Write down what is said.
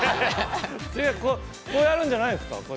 こうやるんじゃないですか。